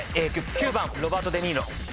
９番ロバート・デ・ニーロ。